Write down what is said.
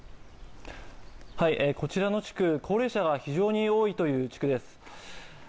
こちらの地区、高齢者が非常に多いという地区です。